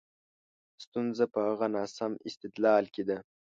ستونزه په هغه ناسم استدلال کې ده.